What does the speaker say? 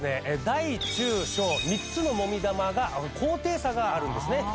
大中小３つのもみ玉が高低差があるんですね。